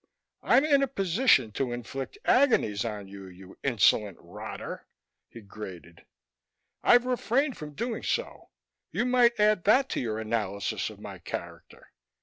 "I'm in a position to inflict agonies on you, you insolent rotter," he grated. "I've refrained from doing so. You might add that to your analysis of my character.